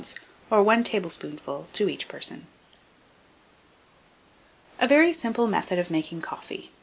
or 1 tablespoonful, to each person. A VERY SIMPLE METHOD OF MAKING COFFEE.